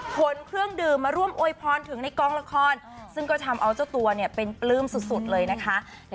ขนเครื่องดื่มมาร่วมโอยพรถึงในกองละครซึ่งก็ทำเอาเจ้าตัวเนี่ยเป็นปลื้มสุดเลยนะคะ